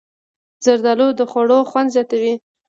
زردالو د خوړو خوند زیاتوي.